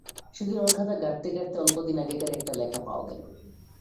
সেদিন ওর খাতা ঘাঁটতে ঘাঁটতে অল্পদিন আগেকার একটা লেখা পাওয়া গেল।